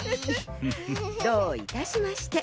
どういたしまして。